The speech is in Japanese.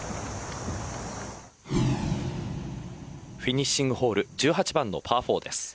フィニッシングボール１８番のパー４です。